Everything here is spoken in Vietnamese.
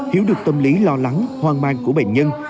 hiểu được tâm lý lo lắng hoang mang của bệnh nhân